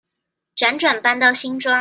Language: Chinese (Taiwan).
輾轉搬到新莊